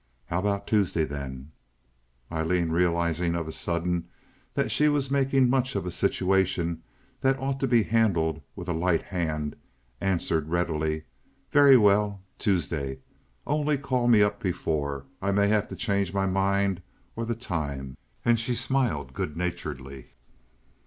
"How about Tuesday, then?" Aileen, realizing of a sudden that she was making much of a situation that ought to be handled with a light hand, answered readily: "Very well—Tuesday! Only call me up before. I may have to change my mind or the time." And she smiled good naturedly.